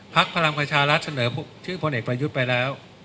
ภักดิ์พระรามควัญชารัฐเสนอชื่อผลเอกประยุทธ์ไปแล้ว